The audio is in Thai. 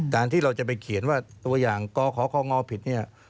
การที่เราจะไปเขียนว่าตัวอย่างกขคงผิดเนี่ย